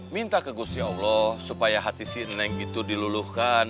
minta ke gusti allah supaya hati sindang itu diluluhkan